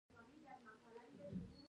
د هلمند په نادعلي کې کوم کانونه دي؟